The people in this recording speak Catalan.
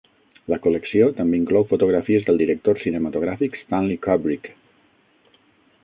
La col·lecció també inclou fotografies del director cinematogràfic Stanley Kubrick.